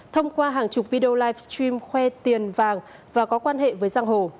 thông qua hàng chục video live stream khoe tiền vàng và có quan hệ với giang hồ